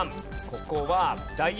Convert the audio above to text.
ここは。